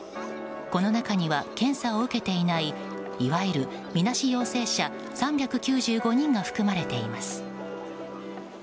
この中には、検査を受けていないいわゆるみなし陽性者３９５人が含まれています。